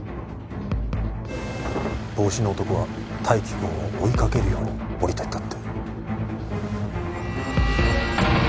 帽子の男は泰生君を追いかけるように降りてったって。